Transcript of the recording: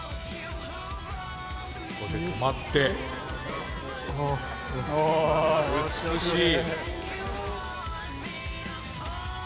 ここで止まって美しい。